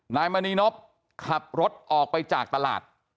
นายมณีนบขับรถออกไปจากตลาด